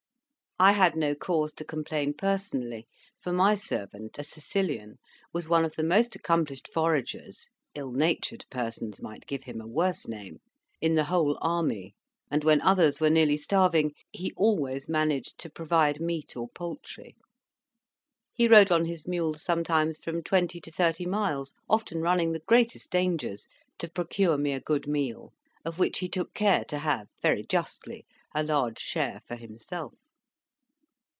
I had no cause to complain personally; for my servant, a Sicilian, was one of the most accomplished foragers (ill natured persons might give him a worse name) in the whole army; and when others were nearly starving, he always managed to provide meat or poultry. He rode on his mule sometimes from twenty to thirty miles, often running the greatest dangers, to procure me a good meal; of which he took care to have, very justly, a large share for himself.